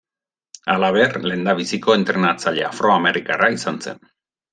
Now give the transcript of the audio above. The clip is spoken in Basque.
Halaber, lehendabiziko entrenatzaile afroamerikarra izan zen.